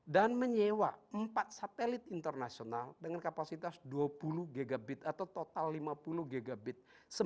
dan menyewa empat satelit internasional dengan kapasitas dua puluh gigabit atau total lima puluh gigabit